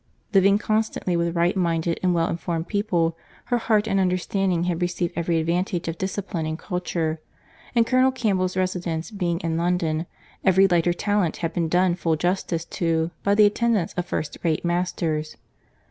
Living constantly with right minded and well informed people, her heart and understanding had received every advantage of discipline and culture; and Colonel Campbell's residence being in London, every lighter talent had been done full justice to, by the attendance of first rate masters.